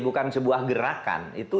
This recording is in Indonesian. bukan sebuah gerakan